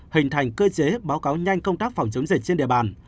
hình thành cơ chế báo cáo nhanh công tác phòng chống dịch trên địa bàn